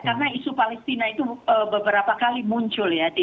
karena isu palestina itu beberapa kali muncul ya